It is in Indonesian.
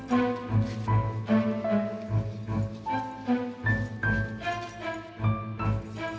dek aku mau ke sana